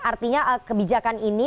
artinya kebijakan ini